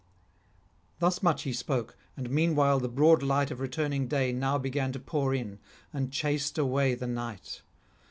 Thus much he spoke; and meanwhile the broad light of returning day now began to pour in, and chased away the night.